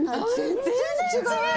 全然違う！